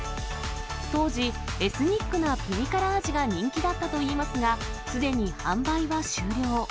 当時、エスニックなピリ辛味が人気だったといいますが、すでに販売は終了。